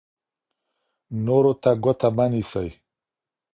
نورو ته ګوته مه نیسئ.